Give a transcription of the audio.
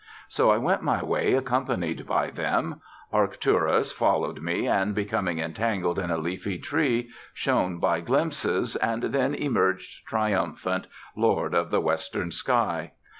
So I went my way accompanied by them; Arcturus followed me, and becoming entangled in a leafy tree, shone by glimpses, and then emerged triumphant, Lord of the Western Sky.